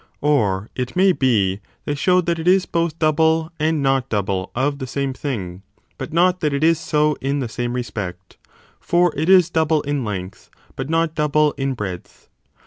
Or, it may be, they show that it is both double and not double of the same thing, but not that it is so in the same respect: for it is double in length but not double in breadth.